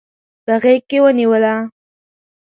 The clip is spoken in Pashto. په غیږ کې ونیوله